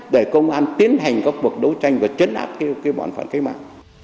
để công an tiến hành các cuộc đấu tranh và chiến áp bọn phản khí mạng